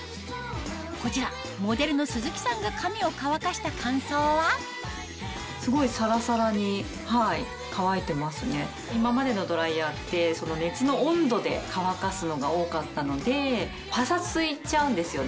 こちらモデルの鈴木さんが髪を乾かした感想は今までのドライヤーって熱の温度で乾かすのが多かったのでパサついちゃうんですよね。